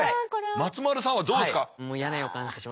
松丸さんはどうですか？